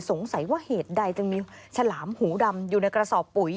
สงสัยว่าเหตุใดจึงมีฉลามหูดำอยู่ในกระสอบปุ๋ย